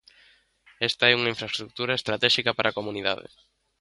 Esta é unha infraestrutura estratéxica para a Comunidade.